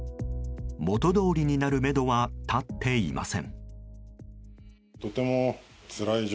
元どおりになるめどは立っていません。